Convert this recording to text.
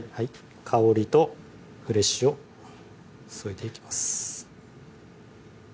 香りとフレッシュを添えていきます